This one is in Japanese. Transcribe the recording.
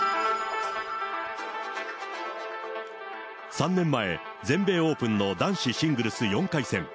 ３年前、全米オープンの男子シングルス４回戦。